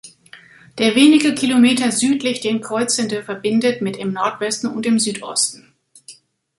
Der wenige Kilometer südlich den kreuzende verbindet mit im Nordwesten und im Südosten.